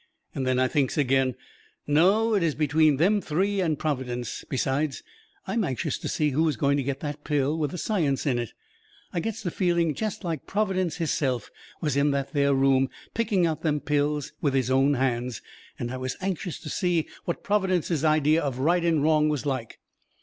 And then I thinks agin: "No, it is between them three and Providence." Besides, I'm anxious to see who is going to get that pill with the science in it. I gets to feeling jest like Providence hisself was in that there room picking out them pills with his own hands. And I was anxious to see what Providence's ideas of right and wrong was like.